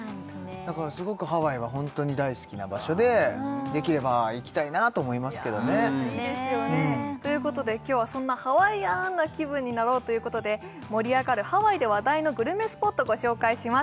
だからすごくハワイはホントに大好きな場所でできれば行きたいなと思いますけどねいいですよねということで今日はそんなハワイアンな気分になろうということで盛り上がるハワイで話題のグルメスポットご紹介します